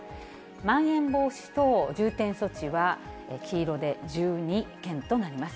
まん延防止等重点措置は黄色で１２県となります。